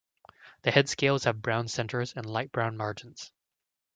The head scales have brown centres and light brown margins.